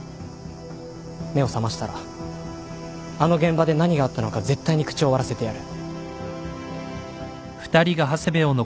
目を覚ましたらあの現場で何があったのか絶対に口を割らせてやる。